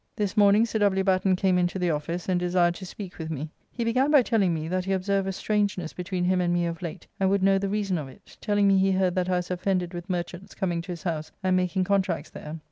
This morning Sir W. Batten came in to the office and desired to speak with me; he began by telling me that he observed a strangeness between him and me of late, and would know the reason of it, telling me he heard that I was offended with merchants coming to his house and making contracts there.